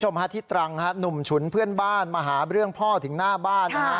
คุณผู้ชมฮาที่ตรังหนุ่มฉุนเพื่อนบ้านมาหาเรื่องพ่อถึงหน้าบ้าน